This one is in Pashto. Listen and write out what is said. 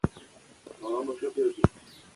چې نن یې پښتو درنې او د قدر ژبې پسې راخیستې